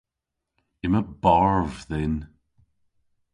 Yma barv dhyn.